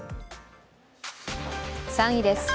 ３位です。